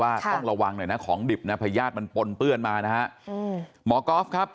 ต้องระวังหน่อยนะของดิบนะพญาติมันปนเปื้อนมานะฮะอืมหมอก๊อฟครับ